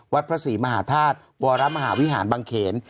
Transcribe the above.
วัดพระศรีมหาธาตุวรมหาวิหารบังเขน